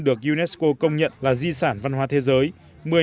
được unesco công nhận là di sản văn hóa thế giới